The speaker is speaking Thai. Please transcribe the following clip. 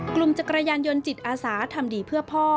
จักรยานยนต์จิตอาสาทำดีเพื่อพ่อ